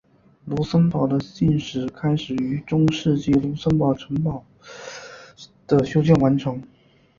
卢森堡的信史开始于在中世纪卢森堡城堡的修建完成。